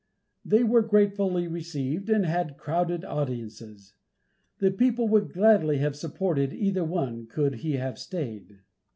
They were gratefully received, and had crowded audiences. The people would gladly have supported either one could he have stayed.